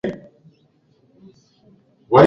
Umoja wa Mataifa waionya Libya kuhusu mapigano mapya